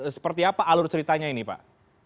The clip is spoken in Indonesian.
seperti apa alur ceritanya ini pak